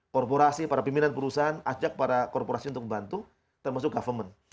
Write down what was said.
korporasi para pimpinan perusahaan ajak para korporasi untuk membantu termasuk government